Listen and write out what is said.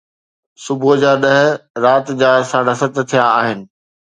صبح جا ڏهه رات جا ساڍا ست ٿيا آهن